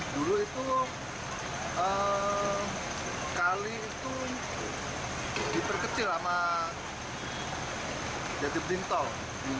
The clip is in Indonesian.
dulu itu kali itu diperkecil sama jati bening tol